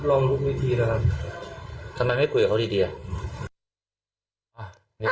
ลองลุกวิธีนะครับทำไมไม่คุยกับเขาดีอ่ะ